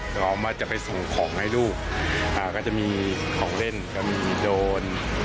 กลับมาจะไปส่งของให้ลูกอ่าก็จะมีของเล่นก็มีโดน